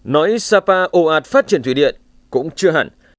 nói sapa ồ ạt phát triển thủy điện cũng chưa hẳn